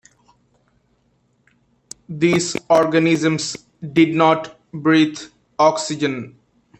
These organisms did not breathe oxygen.